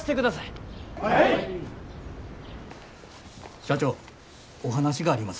社長お話があります。